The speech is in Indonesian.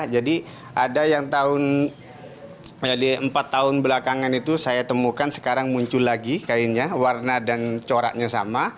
jadi ada yang empat tahun belakangan itu saya temukan sekarang muncul lagi kainnya warna dan coraknya sama